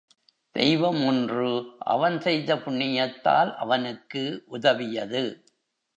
தெய்வம் ஒன்று அவன் செய்த புண்ணியத்தால் அவனுக்கு உதவியது.